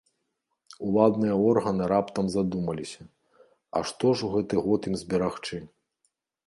Уладныя органы раптам задумаліся, а што ж у гэты год ім зберагчы?